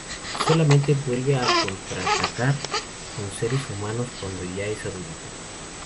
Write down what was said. Solamente vuelve a contactar con seres humanos cuando ya es adulto.